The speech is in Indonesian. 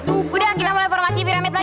udah kita mulai formasi pieramid lagi